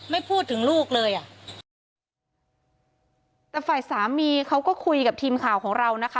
ไม่พูดถึงลูกเลยอ่ะแต่ฝ่ายสามีเขาก็คุยกับทีมข่าวของเรานะคะ